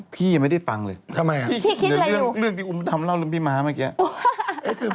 พี่ยังไม่ได้ฟังเลยเรื่องที่อุ้มทำเล่าเรื่องพี่ม้าเมื่อกี้พี่คิดอะไรอยู่